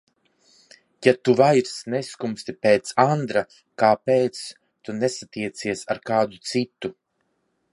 Ja tu vairs neskumsti pēc Andra, kāpēc tu nesatiecies ar kādu citu?